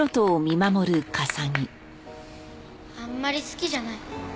あんまり好きじゃない。